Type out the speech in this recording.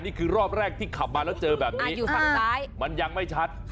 นี่คือรอบแรกที่ขับมาแล้วเจอแบบนี้มันยังไม่ชัด